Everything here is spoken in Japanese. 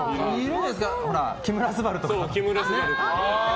木村昴とか。